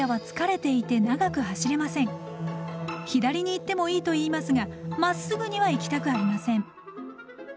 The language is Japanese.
左に行ってもいいと言いますがまっすぐには行きたくありません。